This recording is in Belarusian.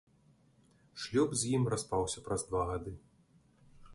Шлюб з ім распаўся праз два гады.